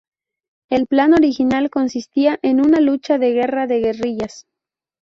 El plan original consistía en una lucha de guerra de guerrillas.